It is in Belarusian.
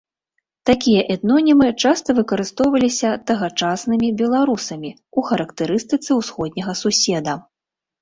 Такія этнонімы часта выкарыстоўваліся тагачаснымі беларусамі ў характарыстыцы ўсходняга суседа.